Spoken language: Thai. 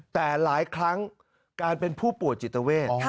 แต่หลายครั้งการเป็นผู้ป่วยจิตเวท